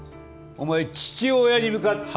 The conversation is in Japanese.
お前父親に向かって。